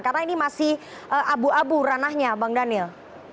karena ini masih abu abu ranahnya bang daniel